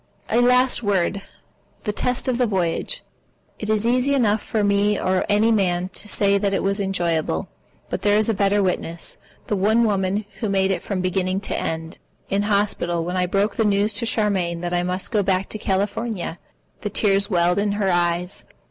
A last word: the test of the voyage. It is easy enough for me or any man to say that it was enjoyable. But there is a better witness, the one woman who made it from beginning to end. In hospital when I broke the news to Charmian that I must go back to California, the tears welled into her eyes.